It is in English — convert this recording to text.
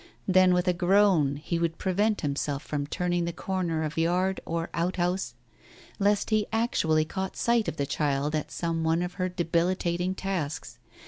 Then, with a groan, he would prevent himself from turning the corner of yard or out house, lest he actually caught sight of the child at some one of her debilitating tasks.